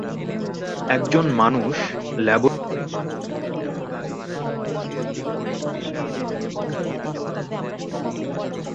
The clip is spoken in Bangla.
এক জন মানুষ ল্যাবরেটরিতে ইঁদুরের গায়ে একটি সিরিঞ্জে করে রিএজেন্ট ঢুকিয়ে দিতে পারে।